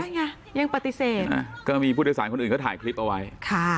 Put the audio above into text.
ใช่ไงยังปฏิเสธอ่าก็มีผู้โดยสารคนอื่นเขาถ่ายคลิปเอาไว้ค่ะ